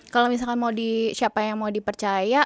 kalo misalkan siapa yang mau dipercaya